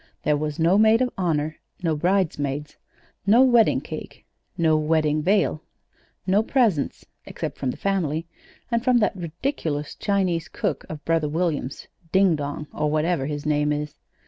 There was no maid of honor, no bridesmaids, no wedding cake, no wedding veil, no presents (except from the family, and from that ridiculous Chinese cook of brother William's, Ding Dong, or whatever his name is.